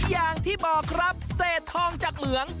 อย่างที่บอกครับเศษทองจากเหมือง